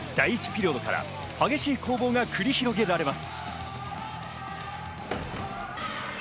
第１ピリオドから激しい攻防が繰り広げられます。